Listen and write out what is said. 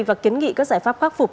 và kiến nghị các giải pháp khắc phục